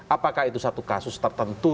apakah itu satu kasus tertentu